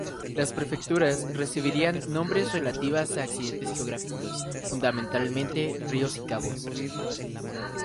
Las prefecturas recibirían nombres relativas a accidentes geográficos, fundamentalmente ríos y cabos.